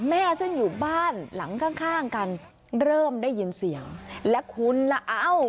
แม่ซึ่งอยู่บ้านหลังข้างข้างกันเริ่มได้ยินเสียงและคุณล่ะเอ้า